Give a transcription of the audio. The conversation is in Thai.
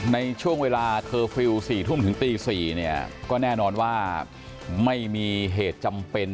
ในช่วงเวลาเคอร์ฟิลล์๔ทุ่มถึงตี๔เนี่ยก็แน่นอนว่าไม่มีเหตุจำเป็น